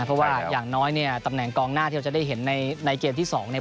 เพราะว่าอย่างน้อยเนี่ยตำแหน่งกองหน้าที่เราจะได้เห็นในเกมที่๒เนี่ย